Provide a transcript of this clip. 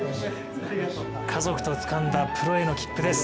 家族とつかんだプロへの切符です。